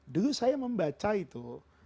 dulu saya membaca itu